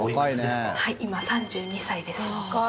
今３２歳です。